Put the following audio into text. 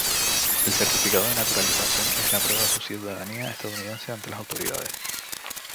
El certificado de naturalización es la prueba de su ciudadanía estadounidense ante las autoridades